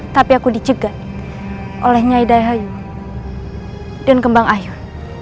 tapi aku dicegat oleh nyai daihayu dan kembang ahyun